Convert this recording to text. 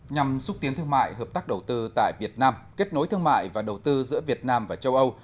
nhằm xúc tiến thương mại hợp tác đầu tư tại việt nam kết nối thương mại và đầu tư giữa việt nam và châu âu